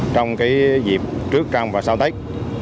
trong dịp trước trăm và sau tết